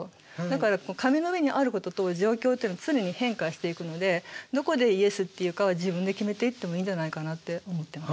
だから紙の上にあることと状況っていうのは常に変化していくのでどこでイエスって言うかは自分で決めていってもいいんじゃないかなって思ってます。